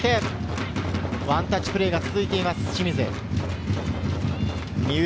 ワンタッチプレーが続いています。